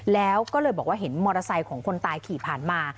แล้วก็เลยบอกว่าเห็นมอเตอร์ไซค์ของคนตายขี่ผ่านมา